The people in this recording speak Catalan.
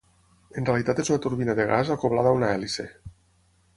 En realitat és una turbina de gas acoblada a una hèlice.